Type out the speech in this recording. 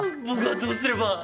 僕はどうすれば？